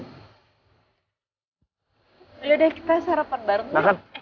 yaudah kita sarapan bareng